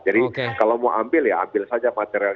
jadi kalau mau ambil ya ambil saja materialnya